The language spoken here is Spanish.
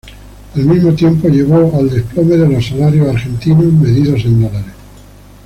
Al mismo tiempo llevó al desplome de los salarios argentinos medidos en dólares.